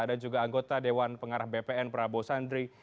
dan juga anggota dewan pengarah bpn prabowo sandi